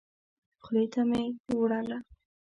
خولې ته مي وړله .